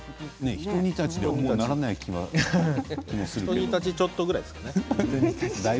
ひと煮立ちちょっとぐらいですね。